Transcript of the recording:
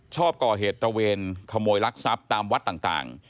ชอบก่อเหตุตระเวนขโมยลักทรัพย์ตามวัดต่าง